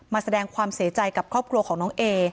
แสดงความเสียใจกับครอบครัวของน้องเอ